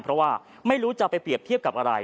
เพราะว่าไม่รู้จะไปเปรียบเทียบกับอะไร